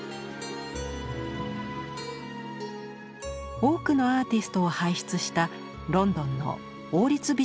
多くのアーティストを輩出したロンドンの王立美術学校に入学。